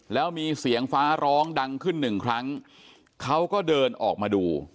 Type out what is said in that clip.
แล้วมีเสียงฟ้าร้องดังขึ้นหนึ่งครั้งเขาก็เดินออกมาดู